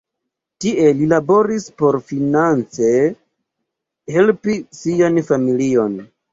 Tie li laboris por finance helpi sian familion.